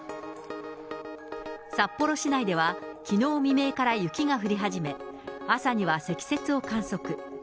札幌市内では、きのう未明から雪が降り始め、朝には積雪を観測。